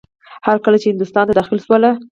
هر کله چې هندوستان ته داخل شول.